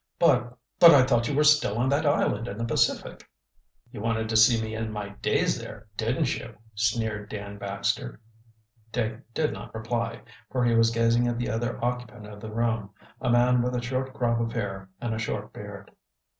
"But but I thought you were still on that island in the Pacific." "You wanted to see me end my days there, didn't you?" sneered Dan Baxter. Dick did not reply, for he was gazing at the other occupant of the room, a man with a short crop of hair and a short beard.